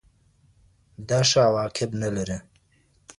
دا ښه عواقب نلري.